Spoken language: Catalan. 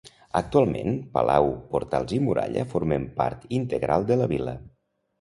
Actualment, palau, portals i muralla formen part integral de la vila.